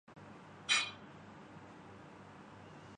کچھ تو تھا۔